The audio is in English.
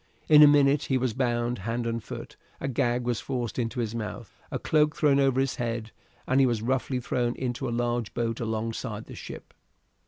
In a minute he was bound hand and foot, a gag was forced into his mouth, a cloak thrown over his head, and he was roughly thrown into a large boat alongside the ship.